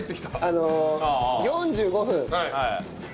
あの４５分。